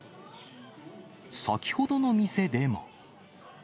先ほどの店でも。